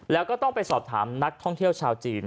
แล้วก็ต้องไปสอบถามนักท่องเที่ยวชาวจีน